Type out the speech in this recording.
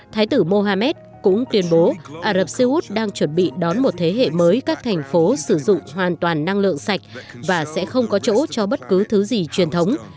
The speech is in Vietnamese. thái tử mohamed cũng tuyên bố ả rập xê út đang chuẩn bị đón một thế hệ mới các thành phố sử dụng hoàn toàn năng lượng sạch và sẽ không có chỗ cho bất cứ thứ gì truyền thống